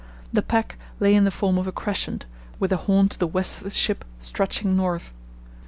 The pack lay in the form of a crescent, with a horn to the west of the ship stretching north.